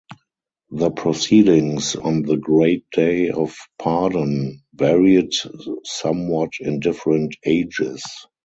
The proceedings on the great day of pardon varied somewhat in different ages.